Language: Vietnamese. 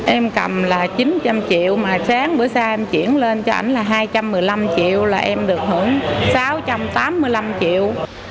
em cầm là chín trăm linh triệu mà sáng bữa xa em chuyển lên cho anh là hai trăm một mươi năm triệu là em được hưởng sáu trăm tám mươi năm triệu